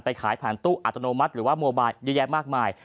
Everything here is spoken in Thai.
ขายผ่านตู้อัตโนมัติหรือว่าโมบายเยอะแยะมากมาย